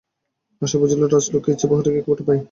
আশা বুঝিল, রাজলক্ষ্মীর ইচ্ছা বিহারী এই খবরটা পায়।